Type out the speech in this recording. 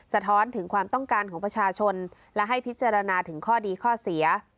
สะท้อนถึงความต้องการของประชาชนและให้พิจารณาถึงข้อดีข้อเสีย